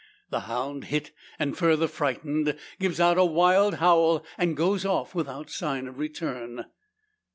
The hound hit, and further frightened, gives out a wild howl, and goes off, without sign of return.